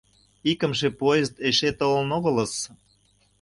— Икымше поезд эше толын огылыс».